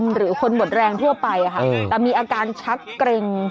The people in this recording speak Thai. เฮ้ยเขาเบาไม่มีกันใจเหรอไม่มี